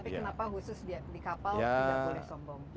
tapi kenapa khusus di kapal tidak boleh sombong